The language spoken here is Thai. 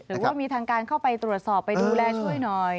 หรือว่ามีทางการเข้าไปตรวจสอบไปดูแลช่วยหน่อย